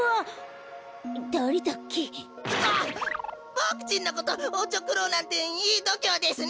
ボクちんのことおちょくろうなんていいどきょうですね！